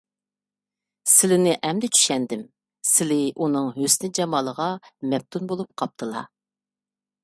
سىلىنى ئەمدى چۈشەندىم، سىلى ئۇنىڭ ھۆسن - جامالىغا مەپتۇن بولۇپ قاپتىلا.